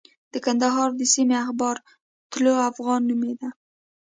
د کندهار د سیمې اخبار طلوع افغان نومېده.